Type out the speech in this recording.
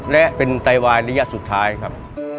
และเป็นไตวายระยะสุดท้ายครับ